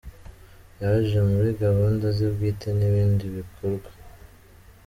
Yaje muri gahunda ze bwite n’ibindi bikorwa.